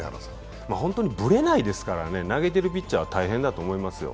本当にブレないですからね、投げてるピッチャーは大変だと思いますよ。